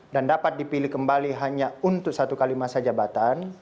dan dapat dipilih kembali hanya untuk satu kali masalah